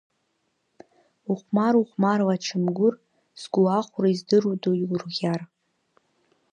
Ухәмар, ухәмарла ачамгәыр, сгәы ахәра издыруада иурӷьар.